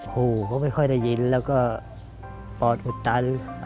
หูก็ไม่ค่อยได้ยินแล้วก็ปอดอุดตัน